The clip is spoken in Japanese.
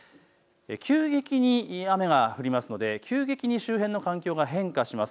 急激に雨が降るので急激に周辺の環境が変化します。